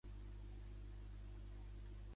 Era germà del bibliòfil José do Canto.